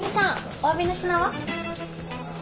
おわびの品は？